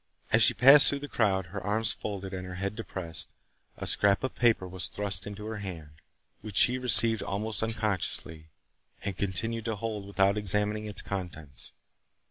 As she passed through the crowd, her arms folded and her head depressed, a scrap of paper was thrust into her hand, which she received almost unconsciously, and continued to hold without examining its contents.